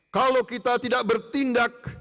kalau kita tidak bertindak